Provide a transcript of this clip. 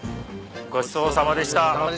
ごちそうさまでした。